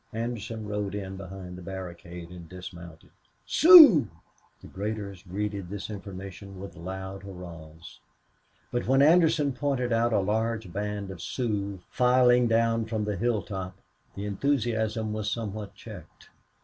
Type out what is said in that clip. Anderson rode in behind the barricade and dismounted. "Sioux!" The graders greeted this information with loud hurrahs. But when Anderson pointed out a large band of Sioux filing down from the hilltop the enthusiasm was somewhat checked.